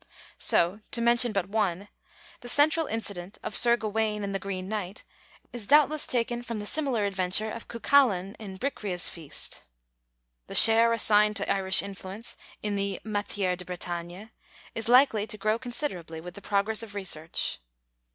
So, to mention but one, the central incident of Syr Gawayn and the Grene Knyght is doubtless taken from the similar adventure of Cuchulainn in Bricriu's Feast. The share assigned to Irish influence in the matière de Bretagne is likely to grow considerably with the progress of research.